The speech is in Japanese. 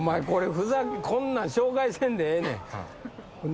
こんなん紹介せんでええねん。